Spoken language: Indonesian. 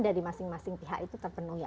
dari masing masing pihak itu terpenuhi